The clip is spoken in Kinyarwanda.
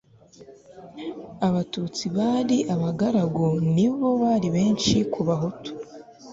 abatutsi bari abagaragu ni bo bari benshi ku bahutu